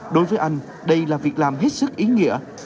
đối với anh đây là việc làm hết sức ý nghĩa